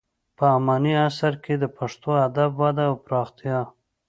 په اماني عصر کې د پښتو ادب وده او پراختیا.